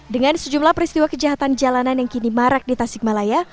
dengan sejumlah peristiwa kejahatan jalanan yang kini marak di tasikmalaya